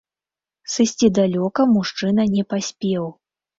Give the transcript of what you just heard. Сысці далёка мужчына не паспеў.